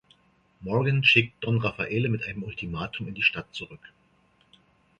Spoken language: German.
Morgan schickt Don Raffaele mit einem Ultimatum in die Stadt zurück.